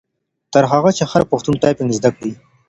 تر هغه چي هر پښتون ټایپنګ زده کړي.